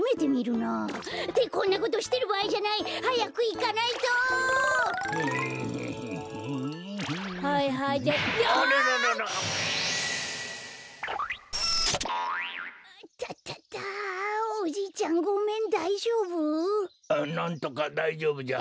なんとかだいじょうぶじゃ。